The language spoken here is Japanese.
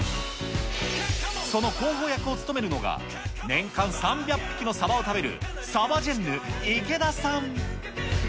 その広報役を務めるのが、年間３００匹のサバを食べるサバジェンヌ、池田さん。